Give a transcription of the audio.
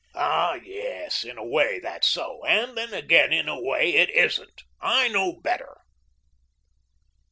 "Ah, yes, in a way, that's so; and then, again, in a way, it ISN'T. I know better."